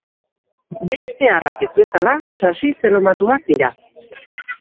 Beste harrak ez bezala sasi-zelomatuak dira.